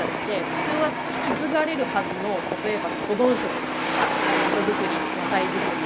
普通は引き継がれるはずの例えば保存食だとかみそ造り野菜作り